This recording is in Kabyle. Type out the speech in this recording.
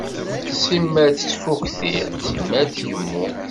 Simmal tettfukti, simmal tgemmu.